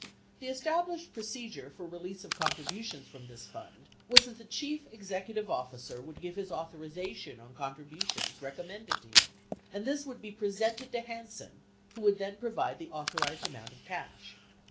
The established procedure for release of contribu tions from this fund was that the chief executive officer would give his authorization on contributions recommended to him, and this would be presented to Hansen who would then provide the authorized amount of cash.